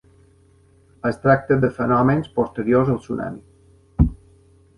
Es tracta de fenòmens posteriors al tsunami.